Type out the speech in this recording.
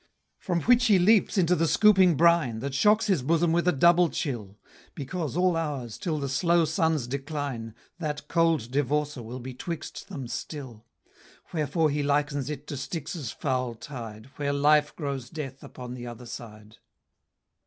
From which he leaps into the scooping brine, That shocks his bosom with a double chill; Because, all hours, till the slow sun's decline, That cold divorcer will be 'twixt them still; Wherefore he likens it to Styx' foul tide, Where life grows death upon the other side.